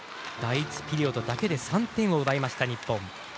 第１ピリオドだけで３点を奪いました、日本。